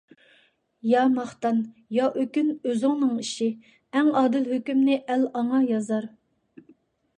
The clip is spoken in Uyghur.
يا ماختان، يا ئۆكۈن ئۆزۈڭنىڭ ئىشى، ئەڭ ئادىل ھۆكۈمنى ئەل ئاڭا يازار.